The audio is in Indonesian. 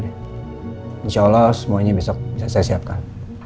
insya allah semuanya besok bisa saya siapkan